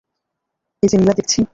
এ যে নীলা দেখছি।